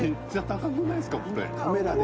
カメラで